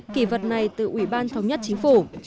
kỳ vật này từ ủy ban thống nhất chính phủ